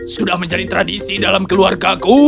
sudah menjadi tradisi dalam keluargaku